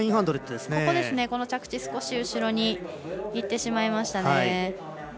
着地が少し後ろにいってしまいました。